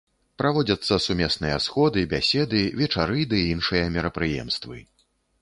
Праводзяцца сумесныя сходы, бяседы, вечары ды іншыя мерапрыемствы.